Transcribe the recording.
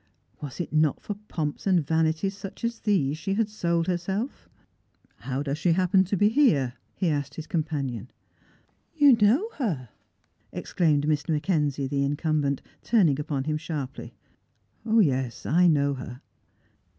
Was it not for pomps and vanities such as these she had sold herself? " How does she happen to be hene ?" he asked his com panion. " You know her !exclaimed Mr. Mackenzie, the incumbent, turning upon him sharply. " Yes, 1 know her."